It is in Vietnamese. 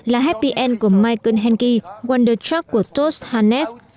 là happy end của michael henke wonder truck của toast harness